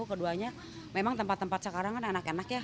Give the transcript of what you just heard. keduanya memang tempat tempat sekarang kan enak enak ya